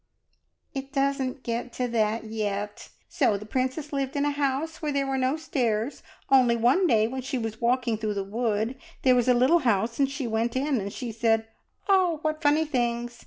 "It doesn't get to that yet. So the princess lived in a house where there were no stairs. Only one day when she was walking through the wood, there was a little house and she went in, and she said, `Oh, what funny things!'